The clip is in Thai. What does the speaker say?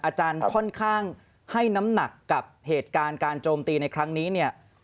อาจารย์ค่อนข้างให้น้ำหนักกับเหตุการณ์การโจมตีในครั้งนี้เนี่ย